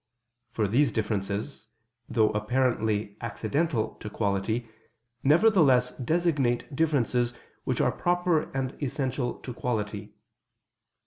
For these differences, though apparently accidental to quality, nevertheless designate differences which are proper and essential to quality.